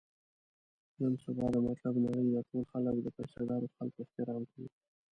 نن سبا د مطلب نړۍ ده، ټول خلک د پیسه دارو خلکو احترام کوي.